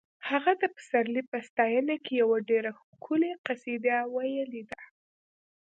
هغه د پسرلي په ستاینه کې یوه ډېره ښکلې قصیده ویلې ده